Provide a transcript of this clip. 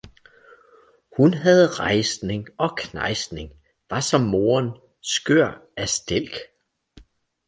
hun havde Reisning og Kneisning, var som Moderen skjør af Stilk.